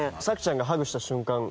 さくちゃんがハグした瞬間